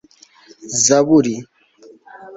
zaburi